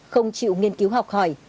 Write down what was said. không chịu nghiên cứu học hỏi